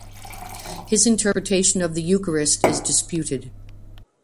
His interpretation of the Eucharist is disputed.